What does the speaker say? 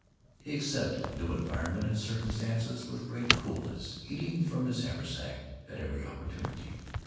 He accepted new environment and circumstance with great coolness, eating from his haversack at every opportunity.